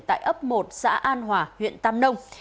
tại ấp một xã an hòa huyện tam nông